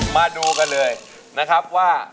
มาดูกันเลยนะครับว่า